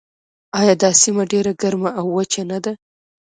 آیا دا سیمه ډیره ګرمه او وچه نه ده؟